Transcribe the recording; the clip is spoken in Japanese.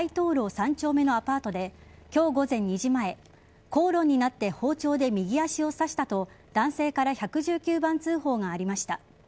３丁目のアパートで今日午前２時前口論になって包丁で右足を刺したと男性から１１９番通報がありました。